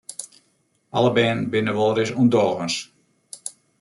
Alle bern binne wolris ûndogens.